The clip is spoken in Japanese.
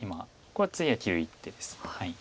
これは次は切る一手です。